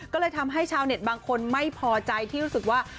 ก็เลยทำให้ชาวเน็ตบางคนไม่พอใจที่รู้สึกว่า